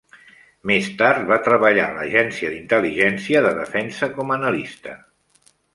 Més tard, va treballar a l'Agència d'intel·ligència de defensa com a analista.